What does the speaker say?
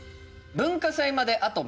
文化祭まであと３日。